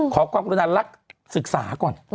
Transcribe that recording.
ขอกรรมดาลักษณ์ศึกษาก่อน